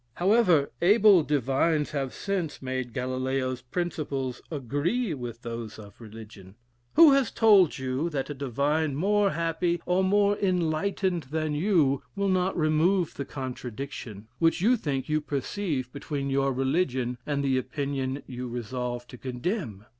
However, able divines have since made Galileo's principles agree with those of religion. Who has told you, that a divine more happy or more enlightened than you, will not remove the contradiction, which you think you perceive between your religion, and the opinion you resolve to condemn!